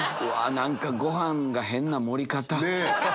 何かご飯が変な盛り方。